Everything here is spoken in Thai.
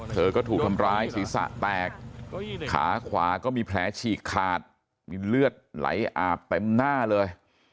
เธอก็ถูกทำร้ายศีรษะแตกขาขวาก็มีแผลฉีกขาดมีเลือดไหลอาบเต็มหน้าเลย